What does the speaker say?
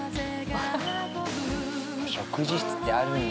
食事室ってあるんだ。